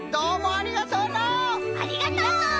ありがとう！